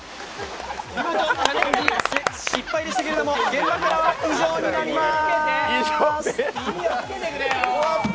チャレンジ失敗でしたけれども、現場からは以上になります。